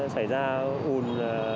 xảy ra ủn